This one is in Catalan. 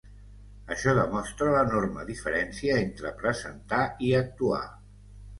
Això demostra l'enorme diferència entre presentar i actuar.